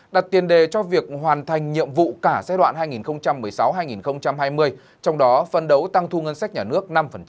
đặt tiền đề cho việc hoàn thành nhiệm vụ cả giai đoạn hai nghìn một mươi sáu hai nghìn hai mươi trong đó phân đấu tăng thu ngân sách nhà nước năm